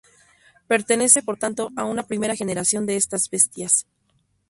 Pertenece por tanto a una primera generación de estas bestias.